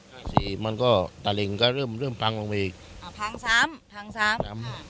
บางทีมันก็ตะเล็งก็เริ่มเริ่มพังลงไปอีกอ่าพังซ้ำพังซ้ำซ้ำ